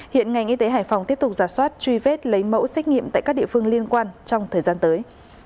hiện ngành y tế hải phòng tiếp tục giả soát truy vết lấy mẫu xét nghiệm tại các địa phương liên quan trong thời gian tới